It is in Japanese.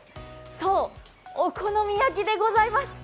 そう、お好み焼きでございます。